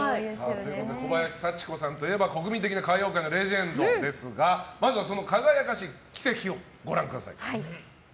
小林幸子さんといえば国民的な歌謡界のレジェンドですがまずはその輝かしい軌跡をご覧ください。